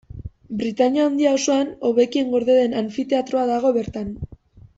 Britainia Handia osoan hobekien gorde den anfiteatroa dago bertan.